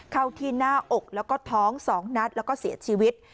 เข้าที่หน้าอกแล้วก็ท้อง๒นัดแล้วก็เสียชีวิต